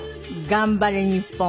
頑張れ日本。